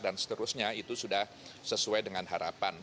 dan seterusnya itu sudah sesuai dengan harapan